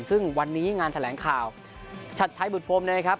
ซึ่งวันนี้งานแถลงข่าวชัดชัยบุตรพรมนะครับ